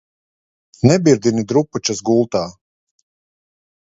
Nebirdini drupa?as gult?!